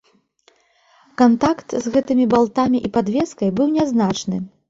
Кантакт з гэтымі балтамі і падвескай быў нязначны.